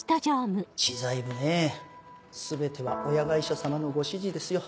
知財部ねぇ全ては親会社さまのご指示ですよ。